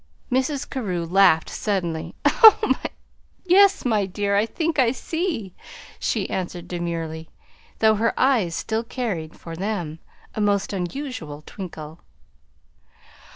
Mrs. Carew laughed suddenly. "Yes, my dear, I think I see," she answered demurely, though her eyes still carried for them a most unusual twinkle.